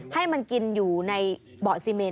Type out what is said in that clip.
ให้มันกินอยู่ในเบาะซีเมน